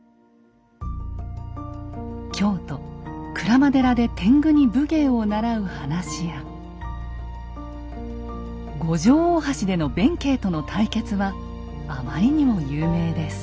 京都・鞍馬寺で天狗に武芸を習う話や五条大橋での弁慶との対決はあまりにも有名です。